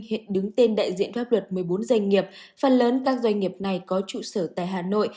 hiện đứng tên đại diện pháp luật một mươi bốn doanh nghiệp phần lớn các doanh nghiệp này có trụ sở tại hà nội